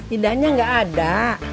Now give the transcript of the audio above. idanya gak ada